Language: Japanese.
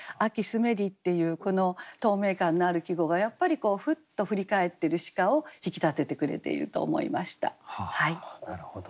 澄めり」っていうこの透明感のある季語がやっぱりこうふっと振り返ってる鹿を引き立ててくれていると思いました。